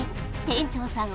店長さん